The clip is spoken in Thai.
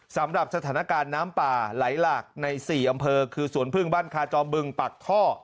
สำหรับสถานการณ์น้ำป่าไหลหลากใน๔อำเภอคือสวนพึ่งบ้านคาจอมบึงปากท่อ